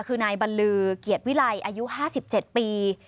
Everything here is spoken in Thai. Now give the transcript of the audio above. คือนายบรรลือเกียรติวิลัยอายุ๕๗ปี